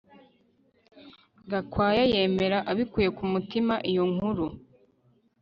Gakwaya yemera abikuye ku mutima iyo nkuru